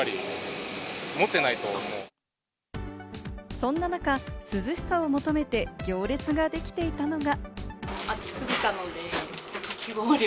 そんな中、涼しさを求めて行列ができていたのが。